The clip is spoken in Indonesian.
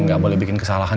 gak boleh bikin kesalahan